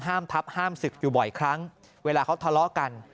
ทับห้ามศึกอยู่บ่อยครั้งเวลาเขาทะเลาะกัน